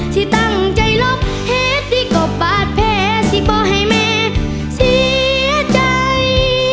สิตั้งใจลบเหตุที่ก็ปาดแพ้สิบ่ให้แม่เสียใจ